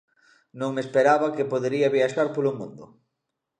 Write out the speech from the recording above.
Non me esperaba que podería viaxar polo mundo.